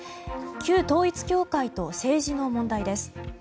旧統一教会と政治の問題です。